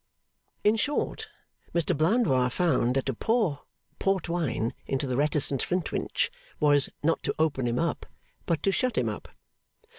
In short, Mr Blandois found that to pour port wine into the reticent Flintwinch was, not to open him but to shut him up.